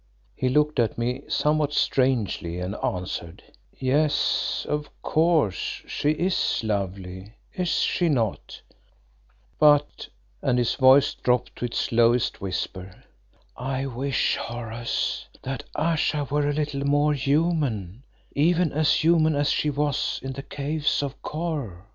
He looked at me somewhat strangely, and answered "Yes, of course; she is lovely, is she not but," and his voice dropped to its lowest whisper, "I wish, Horace, that Ayesha were a little more human, even as human as she was in the Caves of Kôr.